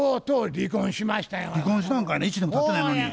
離婚したんかいな１年もたってないのに。